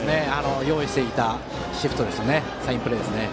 用意していたシフトサインプレーですよね。